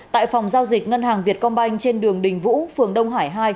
tại phòng giao dịch ngân hàng việt công banh trên đường đình vũ phường đông hải hai